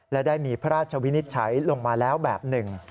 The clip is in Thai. และได้มีพระราชวินิจฉัยลงมาแล้วแบบหนึ่ง